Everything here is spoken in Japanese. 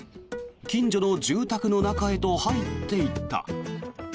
近所の住宅の中へと入っていった。